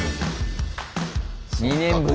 ２年ぶり。